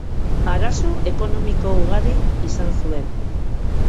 Arazo ekonomiko ugari izan zuen.